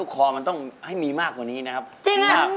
ก็คืก่อนนี้ม่อไปที่นี่